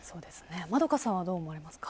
円香さんはどう思われますか。